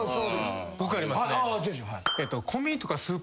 僕ありますね。